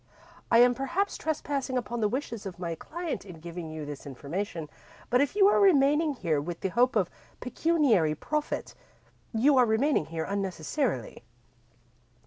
I am, perhaps, trespassing upon the wishes of my client in giving you this information, but if you are remaining here with the hope of pecuniary profit, you are remaining here unnecessarily."